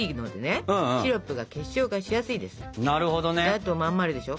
あとまん丸でしょ？